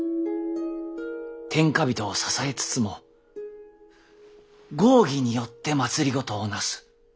天下人を支えつつも合議によって政をなす。